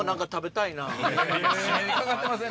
締めにかかってません？